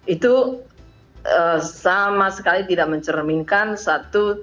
itu sama sekali tidak mencerminkan satu